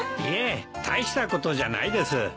いえ大したことじゃないです。